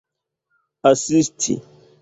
asisti